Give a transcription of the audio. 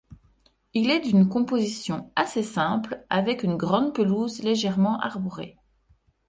Il est d'une composition assez simple avec une grande pelouse légèrement arborée.